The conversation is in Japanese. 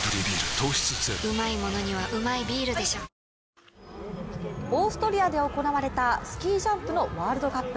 糖質ゼロオーストリアで行われたスキージャンプのワールドカップ。